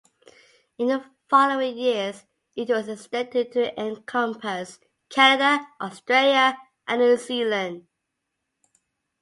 In the following years, it was extended to encompass Canada, Australia, and New Zealand.